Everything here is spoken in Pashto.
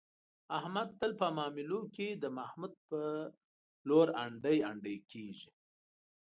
احمد تل په معاملو کې، د محمود په لور انډي انډي کېږي.